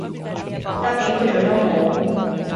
搭幾句咀都好